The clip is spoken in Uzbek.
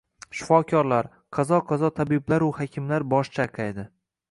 Shifokorlar, kazo-kazo tabiblaru hakimlar bosh chayqaydi.